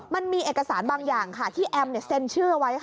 มันมีเอกสารบางอย่างที่แอมเซ็นชื่อไว้